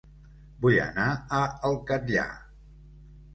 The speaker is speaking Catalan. Vull anar a El Catllar